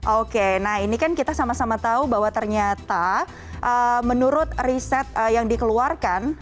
oke nah ini kan kita sama sama tahu bahwa ternyata menurut riset yang dikeluarkan